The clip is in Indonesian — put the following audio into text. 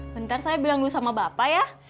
bentar saya bilang dulu sama bapak ya